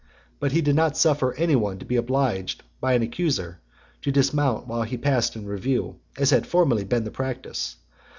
But he did not suffer any one to be obliged by an accuser to dismount while he passed in review, as had formerly been the practice.